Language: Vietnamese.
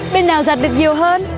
bên nào giặt được nhiều hơn